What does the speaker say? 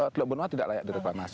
teluk benua tidak layak direklamasi